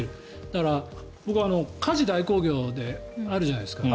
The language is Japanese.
だから、家事代行業ってあるじゃないですか。